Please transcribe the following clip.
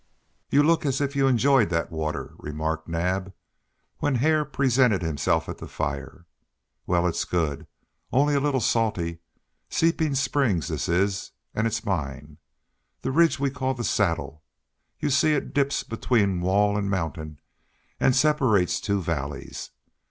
"You look as if you enjoyed that water," remarked Naab, when Hare presented himself at the fire. "Well, it's good, only a little salty. Seeping Springs this is, and it's mine. This ridge we call The Saddle; you see it dips between wall and mountain and separates two valleys.